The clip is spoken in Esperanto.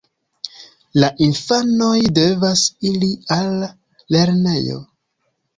La infanoj devas iri al lernejo.